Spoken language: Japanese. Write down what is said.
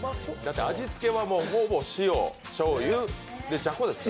味付けは、ほぼ、塩、しょうゆ、じゃこだけ。